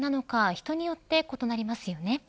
人によって異なりますよね。